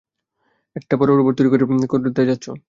একটা বড় রোবট বাড়ি তৈরি করতে যাচ্ছ?